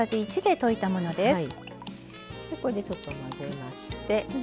ちょっと混ぜまして。